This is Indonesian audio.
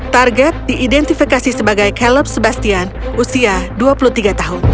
target diidentifikasi sebagai caleb sebastian usia dua puluh tiga tahun